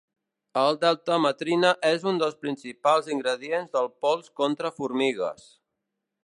La deltametrina és un dels principals ingredients del pols contra formigues.